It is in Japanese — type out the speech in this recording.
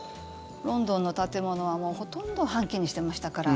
ロンドンの建物はほとんど半旗にしてましたから。